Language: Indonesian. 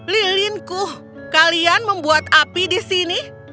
lilinku kalian membuat api di sini